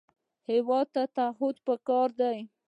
هېواد ته تعهد پکار دی